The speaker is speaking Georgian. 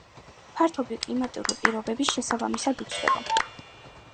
ფართობი კლიმატური პირობების შესაბამისად იცვლება.